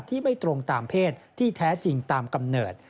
ไม่ตรงตามเพศที่แท้จริงตามกำเนิด